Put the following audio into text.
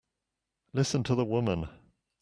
Listen to the woman!